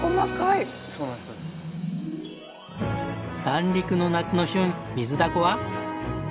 三陸の夏の旬ミズダコは。